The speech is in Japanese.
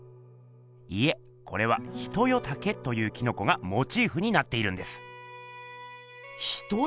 いえこれは「ヒトヨタケ」というキノコがモチーフになっているんです。